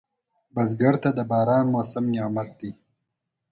بزګر ته د باران موسم نعمت دی